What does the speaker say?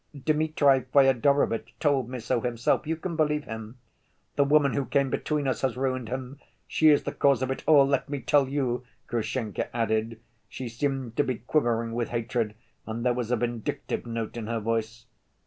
"Dmitri Fyodorovitch told me so himself; you can believe him. The woman who came between us has ruined him; she is the cause of it all, let me tell you," Grushenka added. She seemed to be quivering with hatred, and there was a vindictive note in her voice.